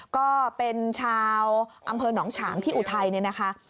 ก็เป็นชาวอำเภอหนองฉางที่อุทัยเนี่ยนะคะ